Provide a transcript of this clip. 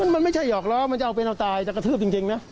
มันไม่ใช่หอกล้อมันจะเอาเป็นเอาตายจะกระทืบจริงนะ